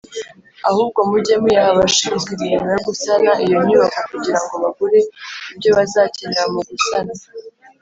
Ahubwo mujye muyaha abashinzwe imirimo yo gusana iyo nyubako kugirango bagure ibyo bazakenera mu gusana.